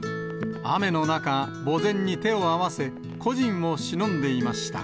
雨の中、墓前に手を合わせ、故人をしのんでいました。